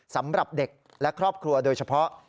สำหรับเด็กและครอบครัวโดยเฉพาะ